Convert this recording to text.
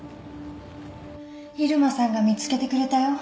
入間さんが見つけてくれたよ